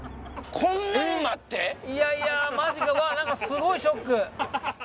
いやいやマジかすごいショック。